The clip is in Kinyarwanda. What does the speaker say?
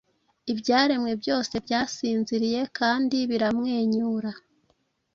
Ibyaremwe byose byasinziriye kandi biramwenyura.